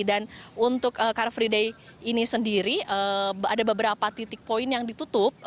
dan untuk car free day ini sendiri ada beberapa titik poin yang ditutup